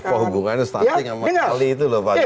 apa hubungannya stunting sama kali itu